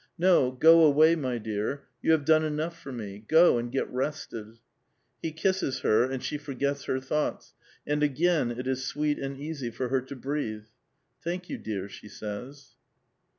"No, go away, my dear; you have done enough for me. Go, and get rested." He kisses her, and she forgets her thoughts, and again it is sweet and easy for her to breathe. " Thank you, dear," she says.